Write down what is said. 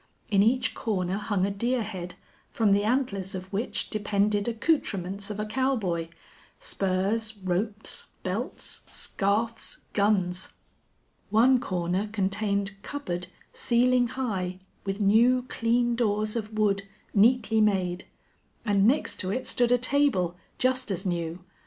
In each corner hung a deer head, from the antlers of which depended accoutrements of a cowboy spurs, ropes, belts, scarfs, guns. One corner contained cupboard, ceiling high, with new, clean doors of wood, neatly made; and next to it stood a table, just as new.